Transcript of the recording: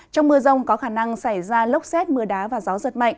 trong mưa rông có khả năng xảy ra lốc xét mưa đá và gió giật mạnh